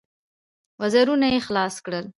وزرونه يې خلاص کړل.